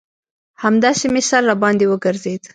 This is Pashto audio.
همداسې مې سر راباندې وگرځېد.